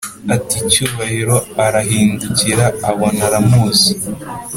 ati"cyubahiro?"arahindukira abona aramuzi